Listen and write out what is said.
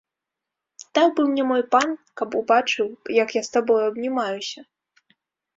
Даў бы мне мой пан, каб убачыў, як я з табою абнімаюся!